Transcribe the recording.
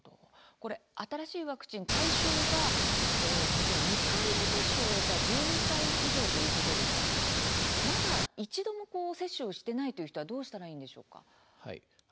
新しいワクチン、対象が２回目接種を終えた１２歳以上ということでしたけれどもまだ一度も接種をしていないという人はどうしたらいいんでしょうか？